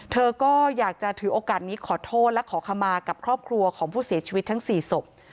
เธอก็อยากจะถือโอกาสนี้ขอโทษและขอขมากับครอบครัวของผู้เสียชีวิตทั้ง๔ศพ